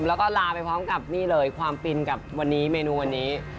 แล้วก็ลาไปพร้อมกับนี่เลยความฟินกับวันนี้เมนูวันนี้